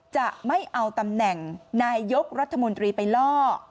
จะไม่เอาตำแหน่งนายยกรัฐมนตรีไปล่อ